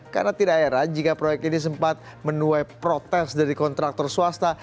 karena tidak heran jika proyek ini sempat menuai protes dari kontraktor swasta